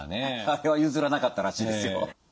あれは譲らなかったらしいですよ。